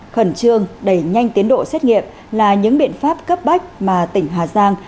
khẩn trương đẩy nhanh tiến độ xét nghiệm là những biện pháp cấp bách mà tỉnh hà giang